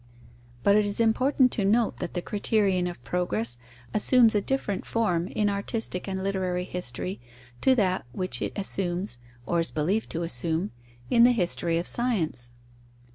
But it is important to note that the criterion of progress assumes a different form in artistic and literary history to that which it assumes (or is believed to assume) in the history of science.